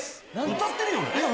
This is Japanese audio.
歌ってるよね？